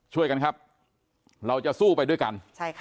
ช่วยกันครับเราจะสู้ไปด้วยกัน